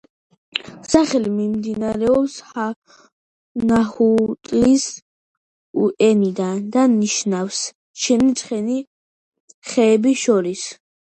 სახელი მომდინარეობს ნაჰუატლის ენიდან და ნიშნავს „შენი ცხენი ხეებს შორის“.